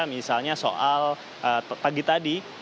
misalnya soal pagi tadi